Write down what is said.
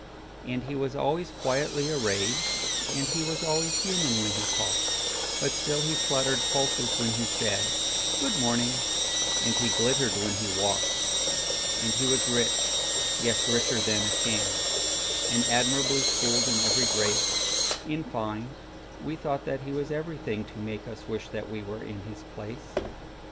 And he was always quietly arrayed, And he was always human when he talked; But still he fluttered pulses when he said,"Good morning," and he glittered when he walked. And he was rich,—yes, richer than a king,—And admirably schooled in every grace:In fine, we thought that he was everythingTo make us wish that we were in his place.